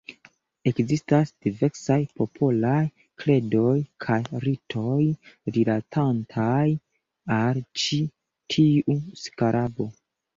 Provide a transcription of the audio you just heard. Ekzistas diversaj popolaj kredoj kaj ritoj, rilatantaj al ĉi tiu skarabo.